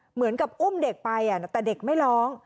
เหมือนกับอุ้มเด็กไปแต่เด็กไม่ร้อง